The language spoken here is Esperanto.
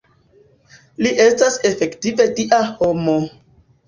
Li estas efektive Dia homo.